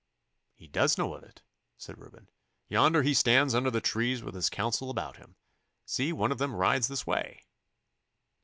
'He does know of it,' said Reuben. 'Yonder he stands under the trees with his council about him. See, one of them rides this way!